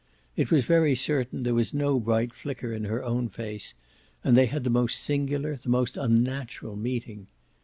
It was very certain there was no bright flicker in her own face, and they had the most singular, the most unnatural meeting.